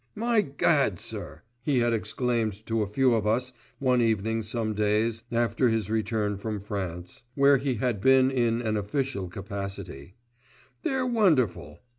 "My Gad! sir," he had exclaimed to a few of us one evening some days after his return from France, where he had been in an official capacity, "they're wonderful.